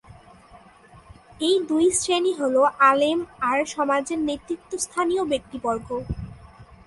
এই দুই শ্রেণি হলো আলেম আর সমাজের নেতৃত্বস্থানীয় ব্যক্তিবর্গ।